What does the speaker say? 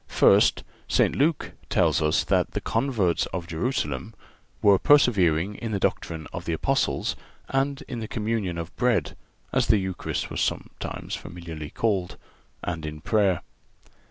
First—St. Luke tells us that the converts of Jerusalem "were persevering in the doctrine of the Apostles, and in the communion of bread (as the Eucharist was sometimes familiarly called), and in prayer."